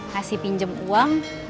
kasih pinjam uang